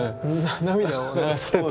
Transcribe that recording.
涙を流してて。